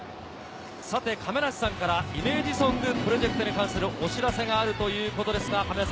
さて、亀梨さんからイメージソングプロジェクトに関するお知らせがあるということですが。